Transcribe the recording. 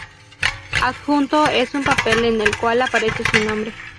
Adjunto es un papel en el cual aparece su nombre.